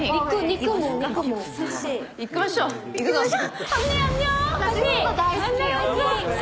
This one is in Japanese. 行きましょう！